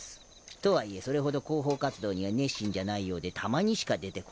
とはいえそれほど広報活動には熱心じゃないようでたまにしか出てこない。